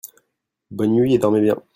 Bonne nuit et dormez bien !